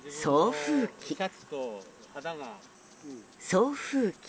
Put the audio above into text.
送風機。